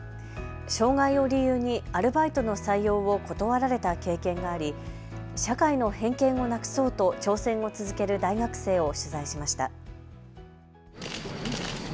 障害を理由にアルバイトの採用を断られた経験があり社会の偏見をなくそうと挑戦を続ける大学生を取材しました。